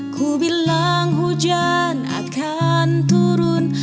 ku bilang hujan akan turun